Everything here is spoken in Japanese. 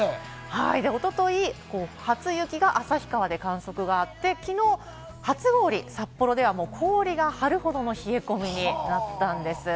おとといは初雪が旭川で観測があって、きのう初氷、札幌では氷が張るほどの冷え込みになったんです。